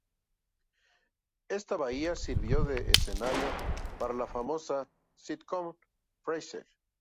Esta bahía sirvió de escenario para la famosa "sitcom" "Frasier".